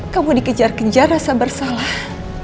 kamu dikejar kejar rasa bersalah